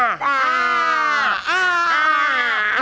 อ่า